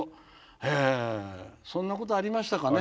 へえそんなことありましたかね。